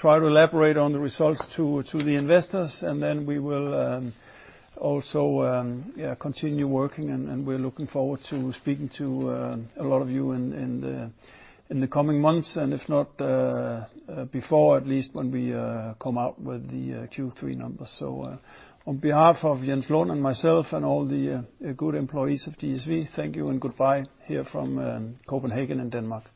try to elaborate on the results to the investors. Then we will also continue working, and we're looking forward to speaking to a lot of you in the coming months, and if not before, at least when we come out with the Q3 numbers. On behalf of Jens H. Lund and myself and all the good employees of DSV, thank you and goodbye here from Copenhagen in Denmark.